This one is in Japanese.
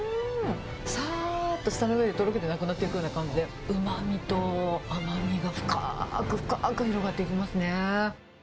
さーっと舌の上でとろけてなくなっていくような感じで、うまみと甘みが深ーく、深ーく広がっていきますね。